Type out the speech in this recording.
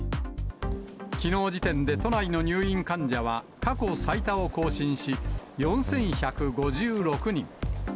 きのう時点で都内の入院患者は過去最多を更新し、４１５６人。